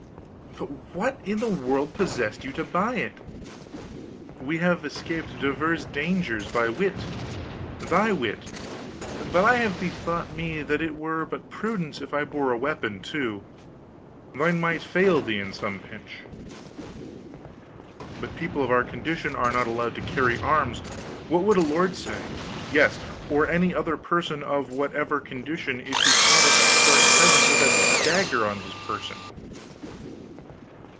"What in the world possessed you to buy it?" "We have escaped divers dangers by wit thy wit but I have bethought me that it were but prudence if I bore a weapon, too. Thine might fail thee in some pinch." "But people of our condition are not allowed to carry arms. What would a lord say yes, or any other person of whatever condition if he caught an upstart peasant with a dagger on his person?"